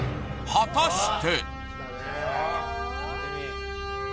果たして！？